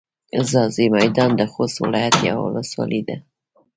ځاځي میدان د خوست ولایت یوه ولسوالي ده.